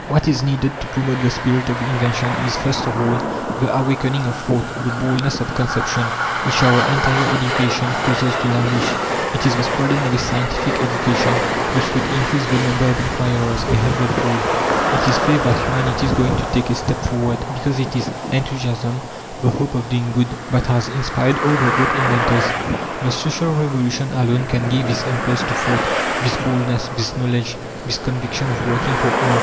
What is needed to promote the spirit of invention is, first of all, the awakening of thought, the boldness of conception, which our entire education causes to languish; it is the spreading of a scientific education, which would increase the number of inquirers a hundredfold; it is faith that humanity is going to take a step forward, because it is enthusiasm, the hope of doing good, that has inspired all the great inventors. The Social Revolution alone can give this impulse to thought, this boldness, this knowledge, this conviction of working for all.